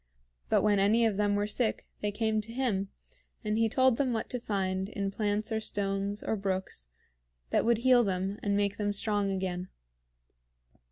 But when any of them were sick they came to him, and he told them what to find in plants or stones or brooks that would heal them and make them strong again.